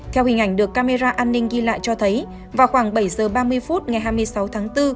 theo hình ảnh được camera an ninh ghi lại cho thấy vào khoảng bảy h ba mươi phút ngày hai mươi sáu tháng bốn